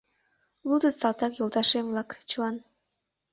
Лудыт салтак йолташем-влак чылан